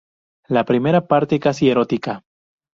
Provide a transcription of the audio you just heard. La primera parte, casi erótica.